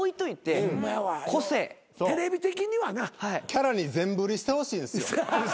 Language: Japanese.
キャラに全振りしてほしいんですよ。